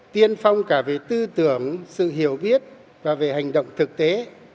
tiên phong cả về tư tưởng sự hiểu biết và về hành động thực tế